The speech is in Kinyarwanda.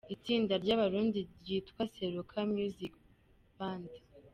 Itsinda ry'abarundi ryitwa Seruka Music Band.